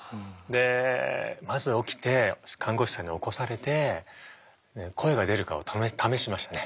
でまず起きて看護師さんに起こされて声が出るかを試しましたね。